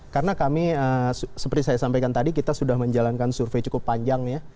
karena kami seperti saya sampaikan tadi kita sudah menjalankan survei cukup panjang ya